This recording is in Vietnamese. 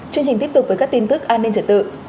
chương trình tiếp tục với các tin tức an ninh trật tự